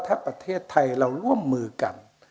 ถ้าประเทศไทยเราร่วมมือกัน